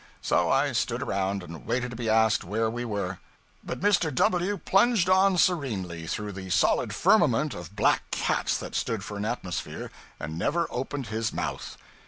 So I stood around, and waited to be asked where we were. But Mr. W plunged on serenely through the solid firmament of black cats that stood for an atmosphere, and never opened his mouth.